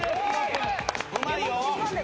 うまいよ。